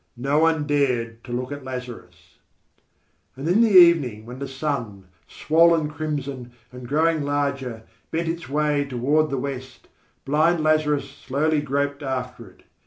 No one dared to look at Lazarus. And in the evening, when the sun, swollen crimson and growing larger, bent its way toward the west, blind Lazarus slowly groped after it.